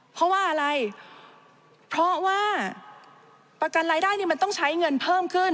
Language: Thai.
เพราะว่าอะไรเพราะว่าประกันรายได้มันต้องใช้เงินเพิ่มขึ้น